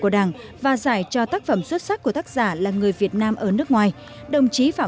của đảng và giải cho tác phẩm xuất sắc của tác giả là người việt nam ở nước ngoài đồng chí phạm